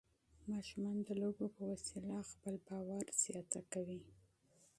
ماشومان د لوبو له لارې خپل اعتماد وده کوي.